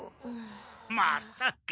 まさか。